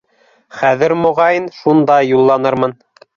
Хәҙер, моға йын, шунда юлланырмын